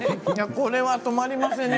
これは止まりませんね。